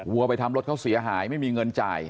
วัวไปทำรถเขาเสียหายไม่มีเงินจ่าย